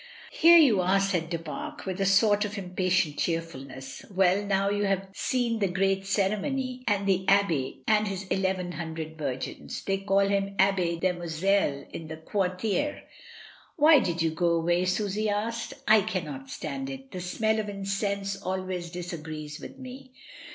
"Here you are!" said Du Pare, with a sort of impatient cheerfulness. "Well, now you have seen the great ceremony and the abbe and his eleven hundred virgins. They call him TAbb^ des De moiselles in the Quartier." "Why did you go away?" Susy asked. "I cannot stand it — the smell of incense always disagrees with me.